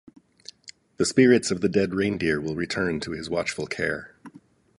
The spirits of the dead reindeer will return to his watchful care.